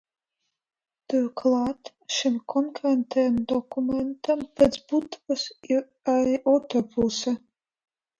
Turklāt šim konkrētajam dokumentam pēc būtības ir arī otra puse.